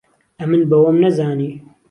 ئەمن بە وەم نەزانی